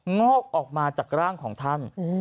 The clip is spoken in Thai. งอกออกมาจากร่างของท่าน